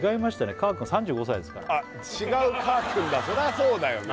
かーくん３５歳ですからあっ違うかーくんだそりゃそうだよね